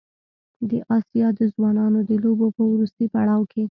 د اسیا د ځوانانو د لوبو په وروستي پړاو کې